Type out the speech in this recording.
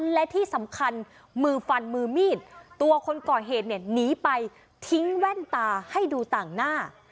และที่สำคัญมือฟันมือมีดตัวคนก่อเหตุเนี่ยหนีไปทิ้งแว่นตาให้ดูต่างหน้า